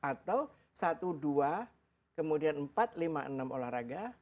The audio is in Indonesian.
atau satu dua kemudian empat lima enam olahraga